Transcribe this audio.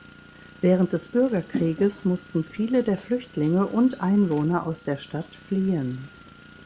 Während des Bürgerkrieges mussten viele der Flüchtlinge und Einwohner aus der Stadt fliehen.